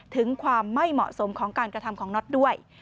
ถึงความไม่เหมาะสมของการกระทำของน็อตด้วย